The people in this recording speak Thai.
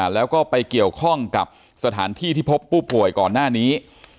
แล้วก็ไปเกี่ยวข้องกับสถานที่ที่พบผู้ป่วยก่อนหน้านี้